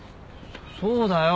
そうだよ。